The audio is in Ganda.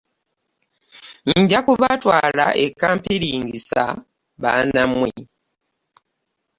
Nka kubatwala e Kampiringisa baana mmwe.